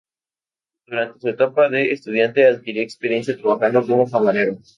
Durante su etapa de estudiante adquirió experiencia trabajando como camarero.